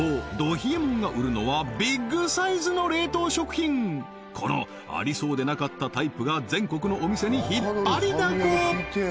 冷えもんが売るのはビッグサイズの冷凍食品このありそうでなかったタイプが全国のお店に引っ張りだこ！